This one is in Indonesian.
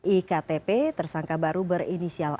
iktp tersangka baru berinisial